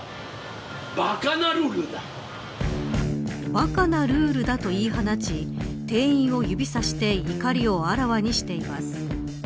ばかなルールだと言い放ち店員を指さして怒りをあらわにしています。